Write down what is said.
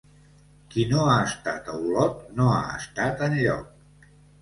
Qui no ha estat a Olot, no ha estat enlloc.